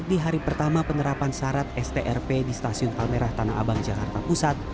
di hari pertama penerapan syarat strp di stasiun palmerah tanah abang jakarta pusat